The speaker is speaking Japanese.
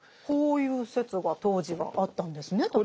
こういう説が当時はあったんですね。